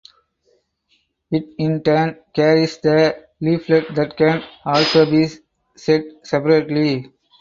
It in turn carries the leaflet that can also be shed separately.